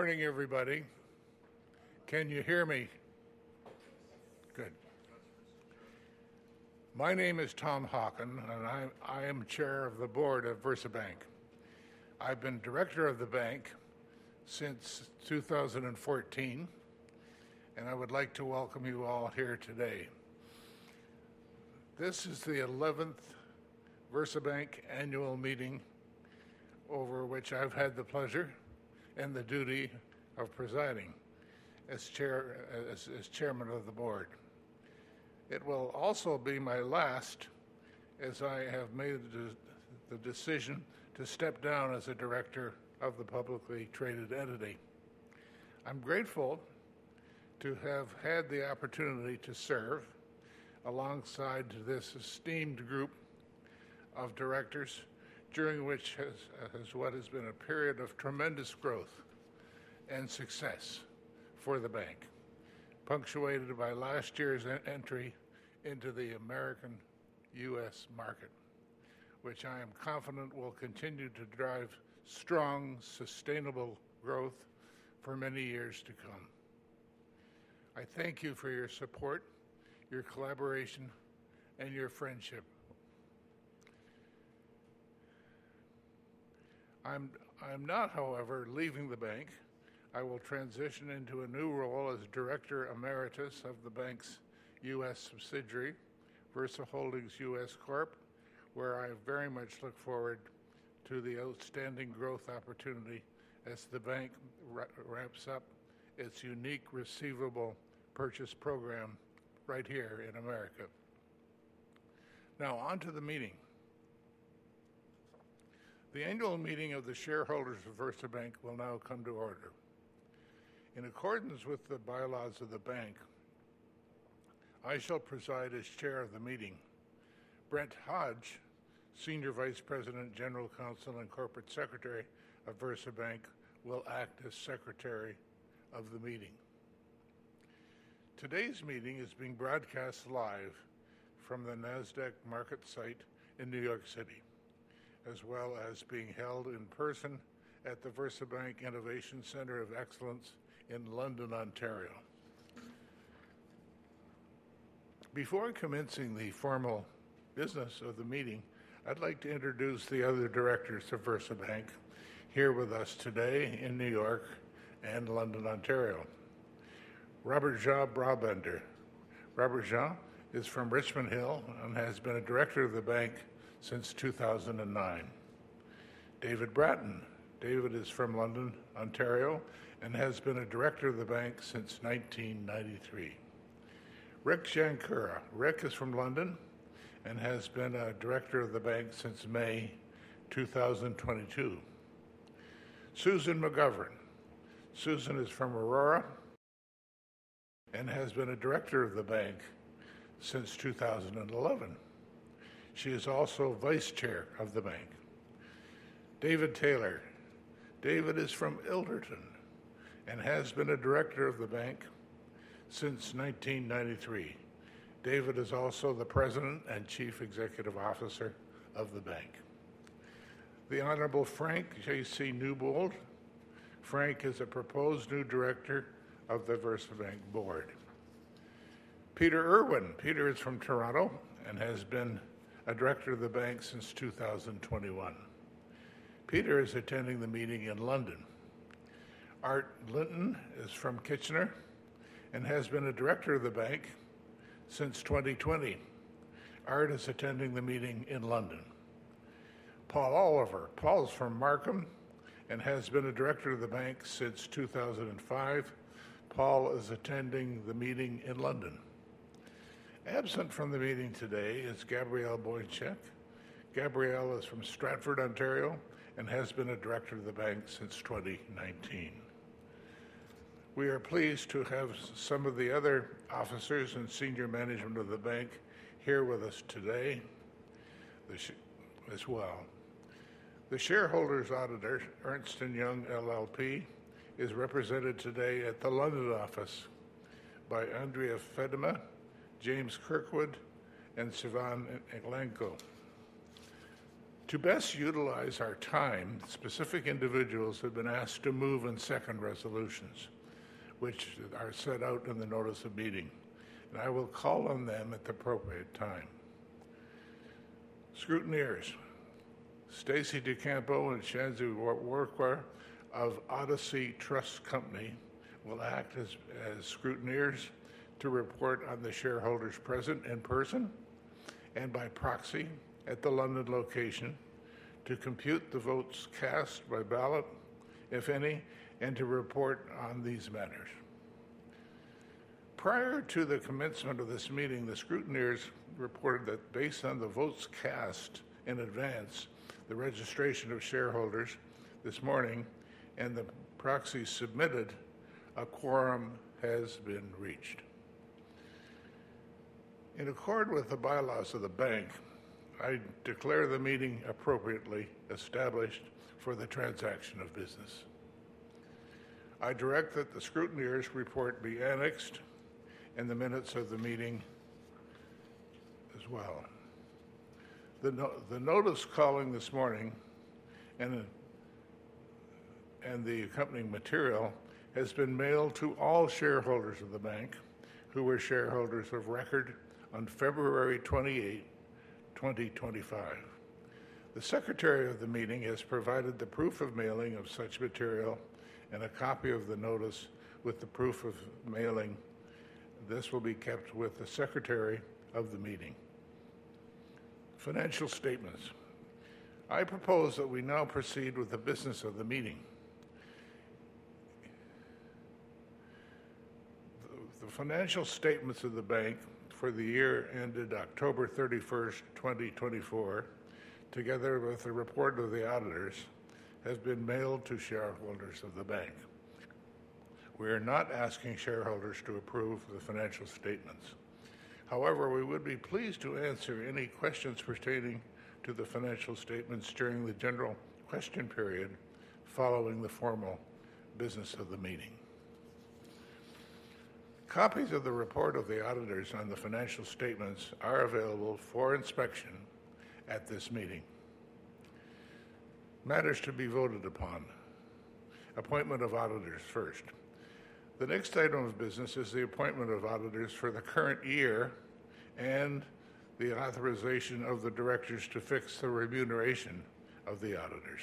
Morning, everybody. Can you hear me? Good. My name is Tom Hockin, and I am Chair of the Board of VersaBank. I've been Director of the Bank since 2014, and I would like to welcome you all here today. This is the 11th VersaBank Annual Meeting over which I've had the pleasure and the duty of presiding as Chairman of the Board. It will also be my last, as I have made the decision to step down as a Director of the Publicly Traded Entity. I'm grateful to have had the opportunity to serve alongside this esteemed group of directors, during which has what has been a period of tremendous growth and success for the Bank, punctuated by last year's entry into the American U.S. market, which I am confident will continue to drive strong, sustainable growth for many years to come. I thank you for your support, your collaboration, and your friendship. I'm not, however, leaving the Bank. I will transition into a new role as Director Emeritus of the Bank's U.S. subsidiary, VersaHoldings U.S. Corp., where I very much look forward to the outstanding growth opportunity as the Bank ramps up its unique Receivable Purchase Program right here in America. Now, on to the meeting. The Annual Meeting of the shareholders of VersaBank will now come to order. In accordance with the bylaws of the Bank, I shall preside as Chair of the Meeting. Brent Hodge, Senior Vice President, General Counsel, and Corporate Secretary of VersaBank, will act as Secretary of the Meeting. Today's meeting is being broadcast live from the NASDAQ Market site in New York City, as well as being held in person at the VersaBank Innovation Center of Excellence in London, Ontario. Before commencing the formal business of the meeting, I'd like to introduce the other directors of VersaBank here with us today in New York and London, Ontario: Robbert-Jan Brabander. Robbert-Jan is from Richmond Hill and has been a Director of the Bank since 2009. David Bratton. David is from London, Ontario, and has been a Director of the Bank since 1993. Rick Jankura. Rick is from London and has been a Director of the Bank since May 2022. Susan McGovern. Susan is from Aurora and has been a Director of the Bank since 2011. She is also Vice Chair of the Bank. David Taylor. David is from Ilderton and has been a Director of the Bank since 1993. David is also the President and Chief Executive Officer of the Bank. The Honorable Frank J.C. Newbould. Frank is a proposed new Director of the VersaBank Board. Peter Irwin. Peter is from Toronto and has been a Director of the Bank since 2021. Peter is attending the meeting in London. Art Linton is from Kitchener and has been a Director of the Bank since 2020. Art is attending the meeting in London. Paul Oliver. Paul is from Markham and has been a Director of the Bank since 2005. Paul is attending the meeting in London. Absent from the meeting today is Gabrielle Bochynek. Gabrielle is from Stratford, Ontario, and has been a Director of the Bank since 2019. We are pleased to have some of the other officers and senior management of the Bank here with us today as well. The shareholders' Auditor, Ernst & Young LLP, is represented today at the London office by Andrea Feddema, James Kirkwood, and Sivan. To best utilize our time, specific individuals have been asked to move on second resolutions, which are set out in the notice of meeting, and I will call on them at the appropriate time. Scrutineers. Stacy DiCampo and Shansi Warkwar of Odyssey Trust Company will act as scrutineers to report on the shareholders present in person and by proxy at the London location, to compute the votes cast by ballot, if any, and to report on these matters. Prior to the commencement of this meeting, the scrutineers reported that based on the votes cast in advance, the registration of shareholders this morning, and the proxies submitted, a quorum has been reached. In accordance with the bylaws of the Bank, I declare the meeting appropriately established for the transaction of business. I direct that the scrutineers report be annexed in the minutes of the meeting as well. The notice calling this morning and the accompanying material has been mailed to all shareholders of the Bank who were shareholders of Record on February 28, 2025. The Secretary of the Meeting has provided the proof of mailing of such material and a copy of the notice with the proof of mailing. This will be kept with the Secretary of the Meeting. Financial Statements. I propose that we now proceed with the business of the meeting. The financial statements of the Bank for the year ended October 31, 2024, together with the report of the Auditors, have been mailed to shareholders of the Bank. We are not asking shareholders to approve the financial statements. However, we would be pleased to answer any questions pertaining to the financial statements during the general question period following the formal business of the meeting. Copies of the report of the Auditors on the financial statements are available for inspection at this meeting. Matters to be voted upon. Appointment of Auditors first. The next item of business is the appointment of Auditors for the current year and the authorization of the Directors to fix the remuneration of the Auditors.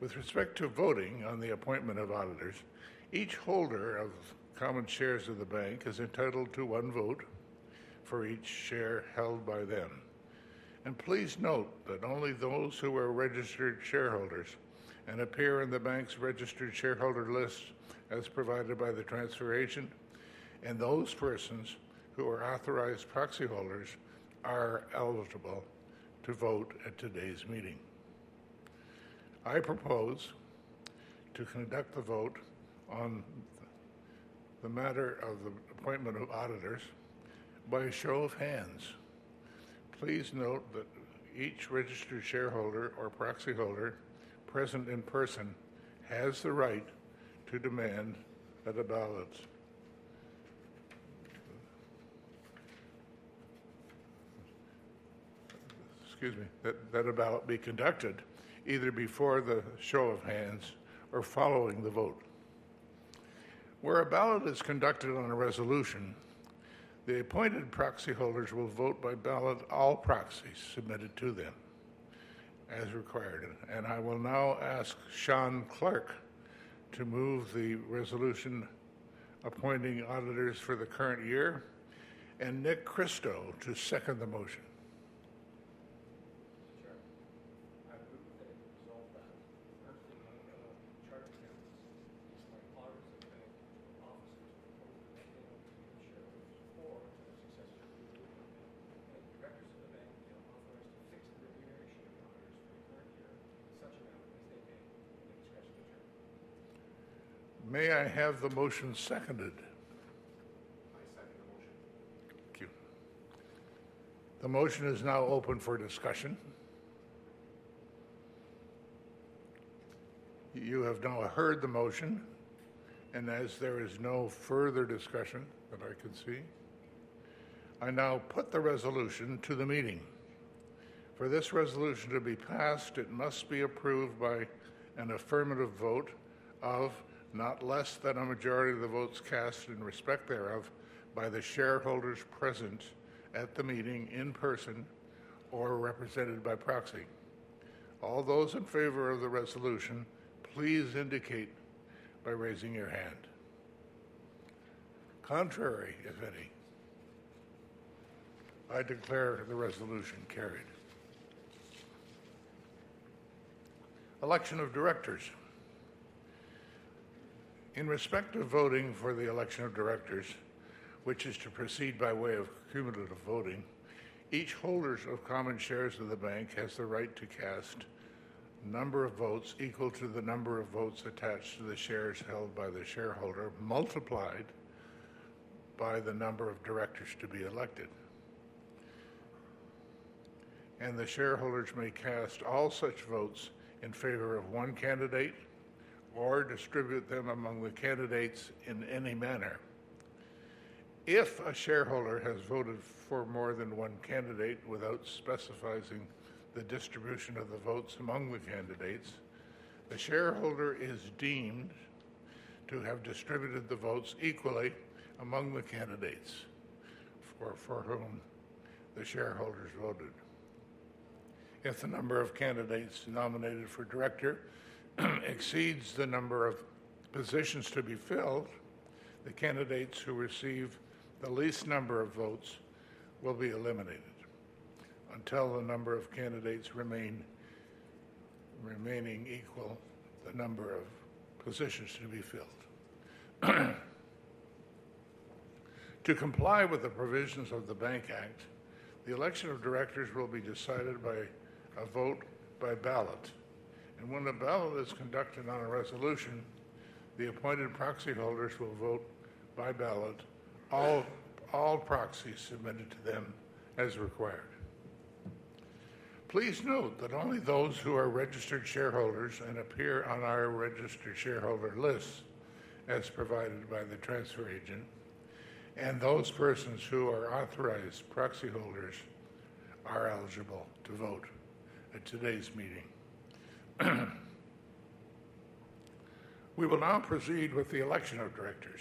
With respect to voting on the appointment of Auditors, each holder of common shares of the Bank is entitled to one vote for each share held by them. Please note that only those who are registered shareholders and appear in the Bank's registered shareholder list as provided by the transfer agent, and those persons who are authorized proxy holders, are eligible to vote at today's meeting. I propose to conduct the vote on the matter of the appointment of Auditors by a show of hands. Please note that each registered shareholder or proxy holder present in person has the right to demand that a ballot be conducted either before the show of hands or following the vote. Where a ballot is conducted on a resolution, the appointed proxy holders will vote by ballot all proxies submitted to them as required. I will now ask Shawn Clarke to move the resolution appointing Auditors for the current year and Nick Kristo to second the motion. Mr. Chair, I move that it be resolved that the firm of Ernst & Young LLP is by authorizing Bank officers to approve the maintenance of current shares or successors. The Directors of the Bank may authorize to fix the remuneration of Auditors for the current year to such amount as they pay at the discretion of the Chair. May I have the motion seconded? I second the motion. Thank you. The motion is now open for discussion. You have now heard the motion, and as there is no further discussion that I can see, I now put the resolution to the meeting. For this resolution to be passed, it must be approved by an affirmative vote of not less than a majority of the votes cast in respect thereof by the shareholders present at the meeting in person or represented by proxy. All those in favor of the resolution, please indicate by raising your hand. Contrary, if any, I declare the resolution carried. Election of Directors. In respect of voting for the Election of Directors, which is to proceed by way of cumulative voting, each holder of common shares of the Bank has the right to cast a number of votes equal to the number of votes attached to the shares held by the shareholder multiplied by the number of Directors to be elected. The shareholders may cast all such votes in favor of one candidate or distribute them among the candidates in any manner. If a shareholder has voted for more than one candidate without specifying the distribution of the votes among the candidates, the shareholder is deemed to have distributed the votes equally among the candidates for whom the shareholders voted. If the number of candidates nominated for Director exceeds the number of positions to be filled, the candidates who receive the least number of votes will be eliminated until the number of candidates remaining equal to the number of positions to be filled. To comply with the provisions of the Bank Act, the Election of Directors will be decided by a vote by ballot. When a ballot is conducted on a resolution, the appointed proxy holders will vote by ballot all proxies submitted to them as required. Please note that only those who are registered shareholders and appear on our registered shareholder lists as provided by the transfer agent and those persons who are authorized proxy holders are eligible to vote at today's meeting. We will now proceed with the Election of Directors.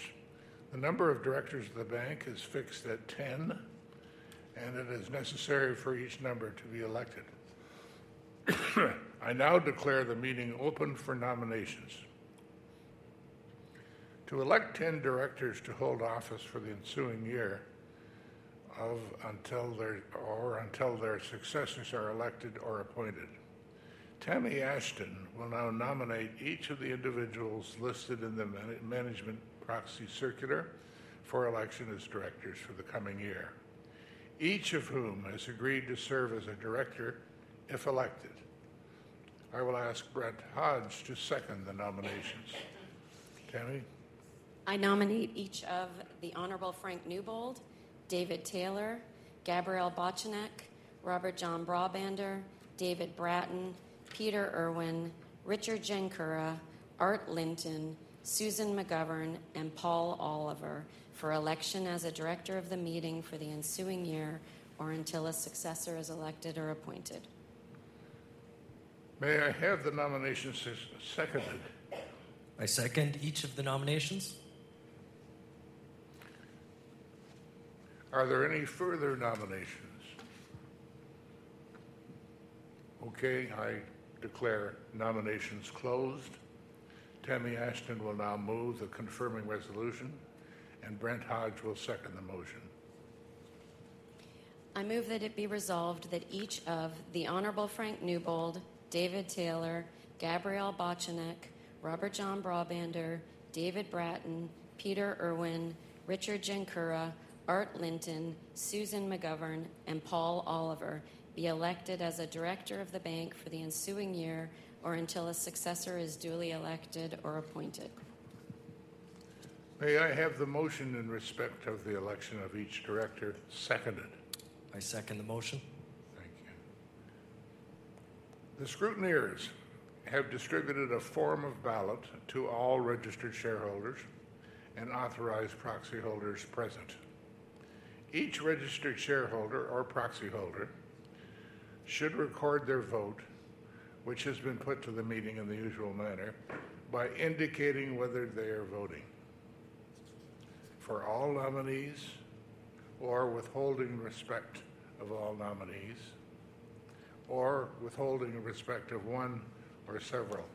The number of Directors of the Bank is fixed at 10, and it is necessary for each number to be elected. I now declare the meeting open for nominations. To elect 10 Directors to hold office for the ensuing year or until their successors are elected or appointed, Tammie Ashton will now nominate each of the individuals listed in the Management Proxy Circular for election as Directors for the coming year, each of whom has agreed to serve as a Director if elected. I will ask Brent Hodge to second the nominations. Tammie? I nominate each of the Honorable Frank Newbould, David Taylor, Gabrielle Bochynek, Robbert-Jan Brabander, David Bratton, Peter Irwin, Richard Jankura, Art Linton, Susan McGovern, and Paul Oliver for election as a Director of the Meeting for the ensuing year or until a successor is elected or appointed. May I have the nominations seconded? I second each of the nominations. Are there any further nominations? Okay. I declare nominations closed. Tammie Ashton will now move the confirming resolution, and Brent Hodge will second the motion. I move that it be resolved that each of the Honorable Frank Newbould, David Taylor, Gabrielle Bochynek, Robbert-Jan Brabander, David Bratton, Peter Irwin, Richard Jankura, Art Linton, Susan McGovern, and Paul Oliver be elected as a Director of the Bank for the ensuing year or until a successor is duly elected or appointed. May I have the motion in respect of the election of each Director seconded? I second the motion. Thank you. The scrutineers have distributed a form of ballot to all registered shareholders and authorized proxy holders present. Each registered shareholder or proxy holder should record their vote, which has been put to the meeting in the usual manner, by indicating whether they are voting for all nominees or withholding respect of all nominees or withholding respect of one or several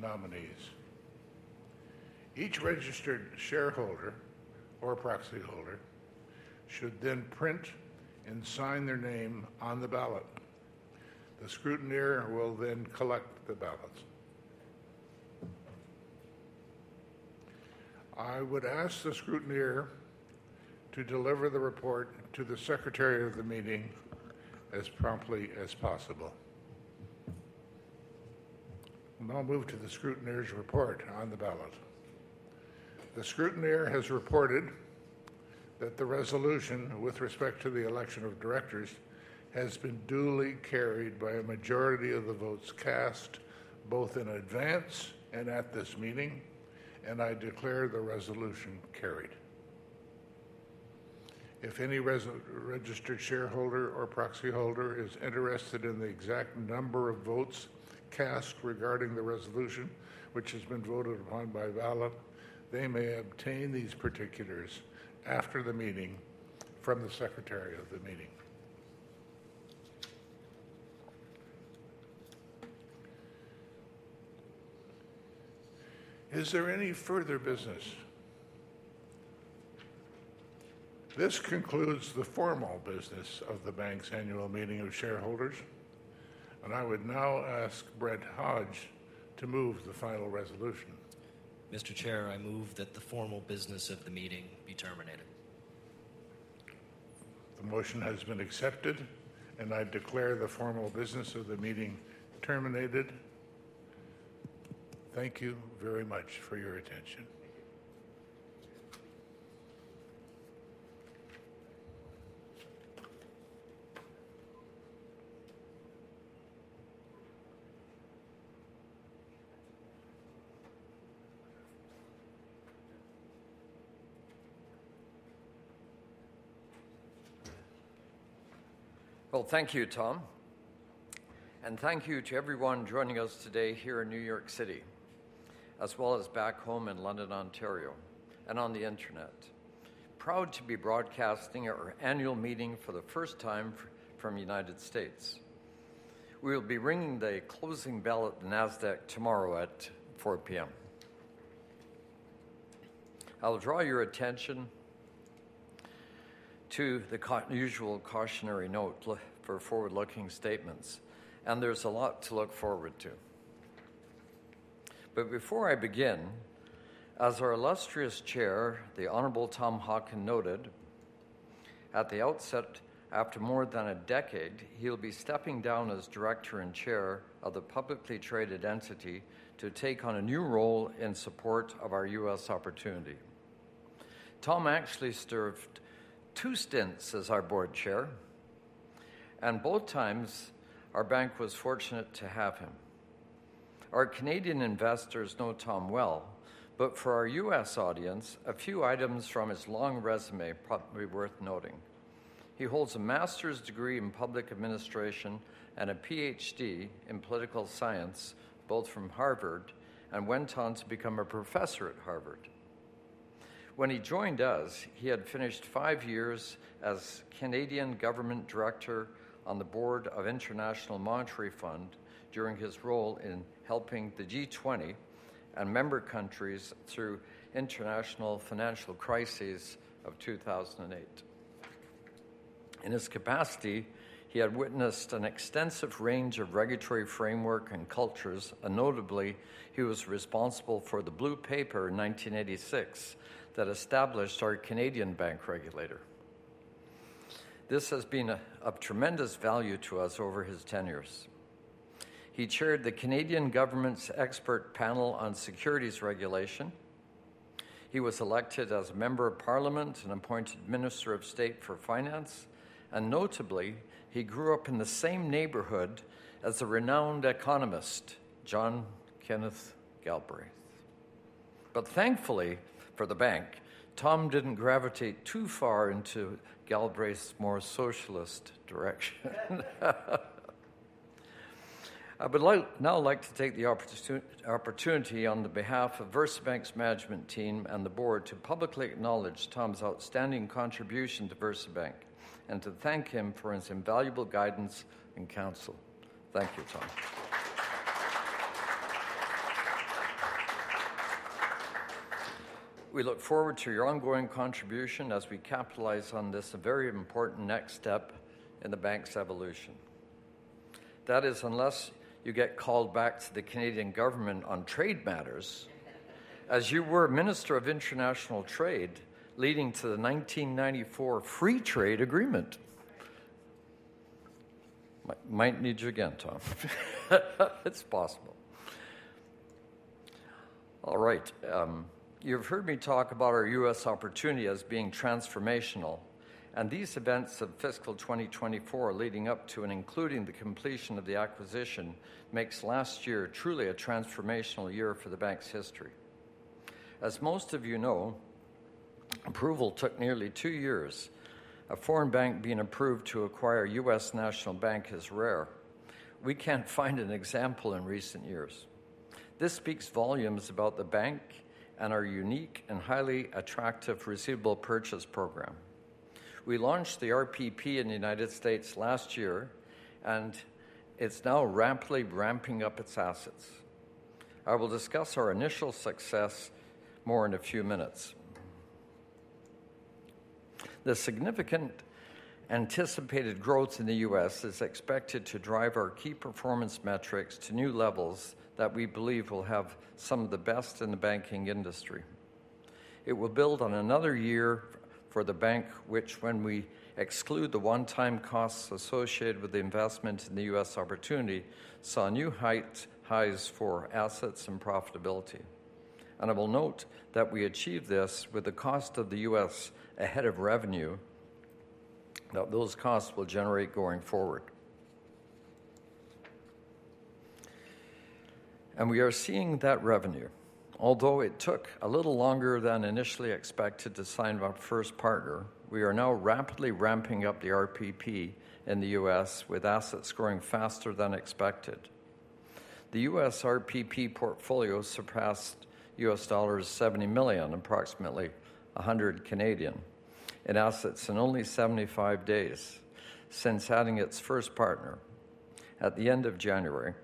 nominees. Each registered shareholder or proxy holder should then print and sign their name on the ballot. The scrutineer will then collect the ballots. I would ask the scrutineer to deliver the report to the Secretary of the Meeting as promptly as possible. I'll now move to the scrutineer's report on the ballot. The scrutineer has reported that the resolution with respect to the Election of Directors has been duly carried by a majority of the votes cast both in advance and at this meeting, and I declare the resolution carried. If any registered shareholder or proxy holder is interested in the exact number of votes cast regarding the resolution, which has been voted upon by ballot, they may obtain these particulars after the meeting from the Secretary of the Meeting. Is there any further business? This concludes the formal business of the Bank's annual meeting of shareholders, and I would now ask Brent Hodge to move the final resolution. Mr. Chair, I move that the formal business of the meeting be terminated. The motion has been accepted, and I declare the formal business of the meeting terminated. Thank you very much for your attention. Thank you, Tom. Thank you to everyone joining us today here in New York City, as well as back home in London, Ontario, and on the internet. Proud to be broadcasting our annual meeting for the first time from the United States. We will be ringing the closing bell at the NASDAQ tomorrow at 4:00 P.M. I will draw your attention to the usual cautionary note for forward-looking statements, and there is a lot to look forward to. Before I begin, as our illustrious Chair, the Honorable Tom Hockin, noted at the outset, after more than a decade, he will be stepping down as Director and Chair of the publicly traded entity to take on a new role in support of our U.S. opportunity. Tom actually served two stints as our Board Chair, and both times, our Bank was fortunate to have him. Our Canadian investors know Tom well, but for our U.S. audience, a few items from his long resume are probably worth noting. He holds a Master's degree in Public Administration and a Ph.D. in Political Science, both from Harvard, and went on to become a professor at Harvard. When he joined us, he had finished five years as Canadian Government Director on the Board of International Monetary Fund during his role in helping the G20 and member countries through the international financial crisis of 2008. In his capacity, he had witnessed an extensive range of regulatory framework and cultures, and notably, he was responsible for the blue paper in 1986 that established our Canadian bank regulator. This has been of tremendous value to us over his tenures. He chaired the Canadian government's expert panel on securities regulation. He was elected as a member of Parliament and appointed Minister of State for Finance. Notably, he grew up in the same neighborhood as the renowned economist John Kenneth Galbraith. Thankfully for the Bank, Tom did not gravitate too far into Galbraith's more socialist direction. I would now like to take the opportunity on behalf of VersaBank's management team and the Board to publicly acknowledge Tom's outstanding contribution to VersaBank and to thank him for his invaluable guidance and counsel. Thank you, Tom. We look forward to your ongoing contribution as we capitalize on this very important next step in the Bank's evolution. That is, unless you get called back to the Canadian government on trade matters as you were Minister of International Trade leading to the 1994 Free Trade Agreement. Might need you again, Tom. It's possible. All right. You've heard me talk about our U.S. opportunity as being transformational, and these events of fiscal 2024 leading up to and including the completion of the acquisition make last year truly a transformational year for the Bank's history. As most of you know, approval took nearly two years. A foreign bank being approved to acquire a U.S. National Bank is rare. We can't find an example in recent years. This speaks volumes about the Bank and our unique and highly attractive Receivable Purchase Program. We launched the RPP in the United States last year, and it's now rapidly ramping up its assets. I will discuss our initial success more in a few minutes. The significant anticipated growth in the U.S. is expected to drive our key performance metrics to new levels that we believe will have some of the best in the banking industry. It will build on another year for the Bank, which, when we exclude the one-time costs associated with the investment in the U.S. opportunity, saw new heights for assets and profitability. I will note that we achieved this with the cost of the U.S. ahead of revenue that those costs will generate going forward. We are seeing that revenue. Although it took a little longer than initially expected to sign our first partner, we are now rapidly ramping up the RPP in the U.S. with assets growing faster than expected. The U.S. RPP portfolio surpassed $70 million, approximately 100 million, in assets in only 75 days since adding its first partner at the end of January.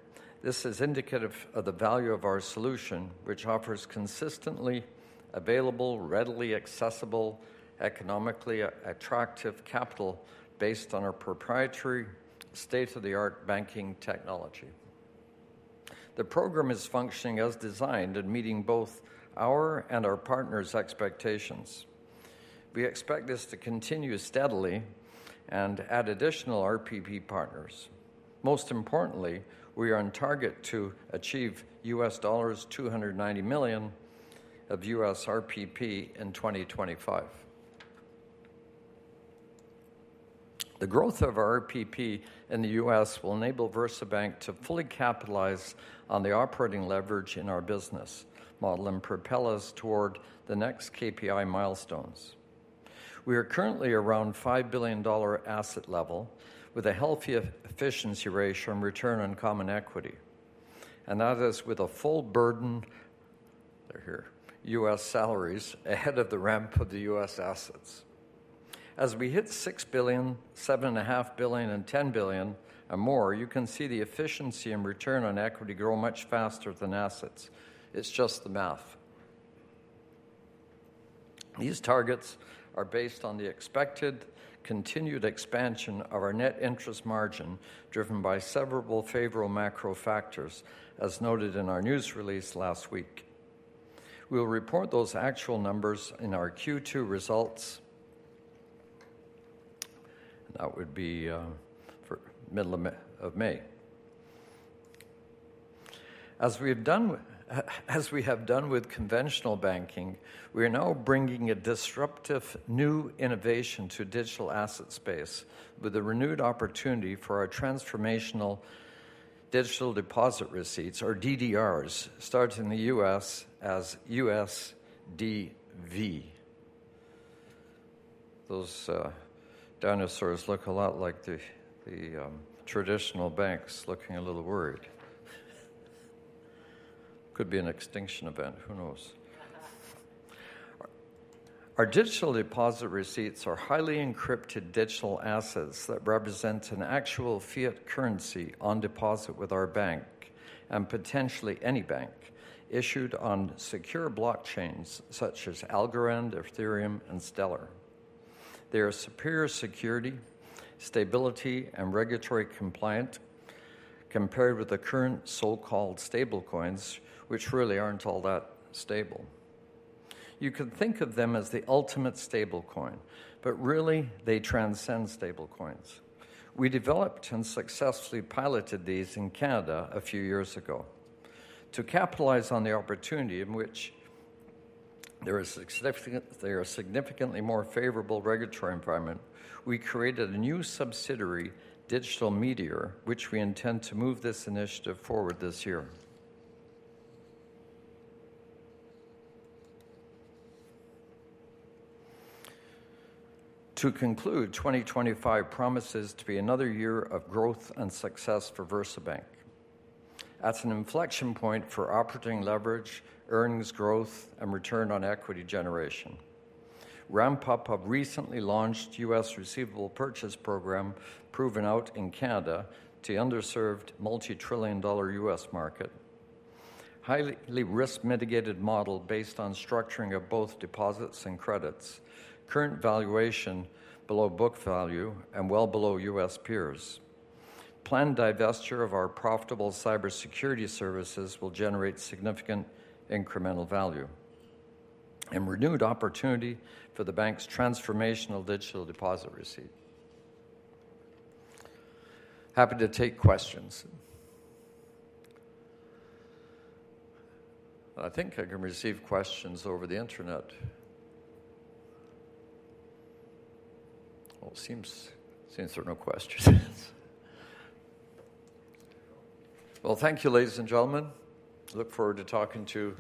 This is indicative of the value of our solution, which offers consistently available, readily accessible, economically attractive capital based on our proprietary state-of-the-art banking technology. The program is functioning as designed and meeting both our and our partner's expectations. We expect this to continue steadily and add additional RPP partners. Most importantly, we are on target to achieve $290 million of U.S. RPP in 2025. The growth of our RPP in the U.S. will enable VersaBank to fully capitalize on the operating leverage in our business model and propel us toward the next KPI milestones. We are currently around $5 billion asset level with a healthy efficiency ratio and return on common equity, and that is with a full burden of U.S. salaries ahead of the ramp of the U.S. assets. As we hit $6 billion, $7.5 billion, and $10 billion or more, you can see the efficiency and return on equity grow much faster than assets. It's just the math. These targets are based on the expected continued expansion of our net interest margin driven by several favorable macro factors, as noted in our news release last week. We will report those actual numbers in our Q2 results. That would be for the middle of May. As we have done with conventional banking, we are now bringing a disruptive new innovation to the digital asset space with a renewed opportunity for our transformational digital deposit receipts, or DDRs, starting in the U.S. as USDV. Those dinosaurs look a lot like the traditional banks looking a little worried. Could be an extinction event. Who knows? Our digital deposit receipts are highly encrypted digital assets that represent an actual fiat currency on deposit with our Bank and potentially any Bank issued on secure blockchains such as Algorand, Ethereum, and Stellar. They are superior security, stability, and regulatory compliant compared with the current so-called stablecoins, which really aren't all that stable. You can think of them as the ultimate stablecoin, but really, they transcend stablecoins. We developed and successfully piloted these in Canada a few years ago. To capitalize on the opportunity in which there is significantly more favorable regulatory environment, we created a new subsidiary Digital Meteor, which we intend to move this initiative forward this year. To conclude, 2025 promises to be another year of growth and success for VersaBank. That is an inflection point for operating leverage, earnings growth, and return on equity generation. Ramp-Up has recently launched the U.S. Receivable Purchase Program proven out in Canada to underserved multi-trillion dollar U.S. market. Highly risk-mitigated model based on structuring of both deposits and credits. Current valuation below book value and well below U.S. peers. Planned divestiture of our profitable cybersecurity services will generate significant incremental value and renewed opportunity for the Bank's transformational digital deposit receipt. Happy to take questions. I think I can receive questions over the internet. It seems there are no questions. Thank you, ladies and gentlemen. Look forward to talking to.